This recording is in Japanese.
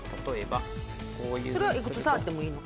これはいくつ触ってもいいの？